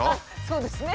そうですね。